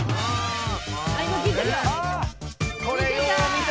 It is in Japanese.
「見てた」